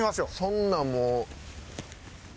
そんなんもう。